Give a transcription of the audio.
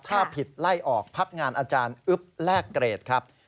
ถ้าผิดไล่ออกพักงานอาจารย์อึ๊บแลกเกรดครับ